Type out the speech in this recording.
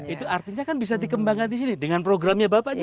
itu artinya kan bisa dikembangkan di sini dengan programnya bapak juga